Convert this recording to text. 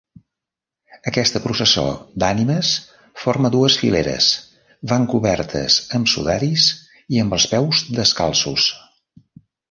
Aquesta processó d'ànimes forma dues fileres, van cobertes amb sudaris i amb els peus descalços.